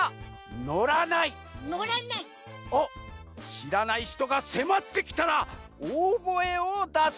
しらないひとがせまってきたら「お」おごえをだす！